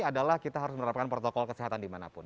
adalah kita harus menerapkan protokol kesehatan di manapun